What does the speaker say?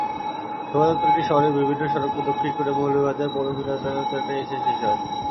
শোভাযাত্রাটি শহরের বিভিন্ন সড়ক প্রদক্ষিণ করে মৌলভীবাজার পৌর মিলনায়তনে এসে শেষ হয়।